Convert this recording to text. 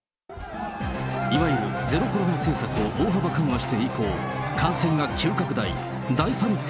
いわゆるゼロコロナ政策を大幅緩和して以降、感染が急拡大。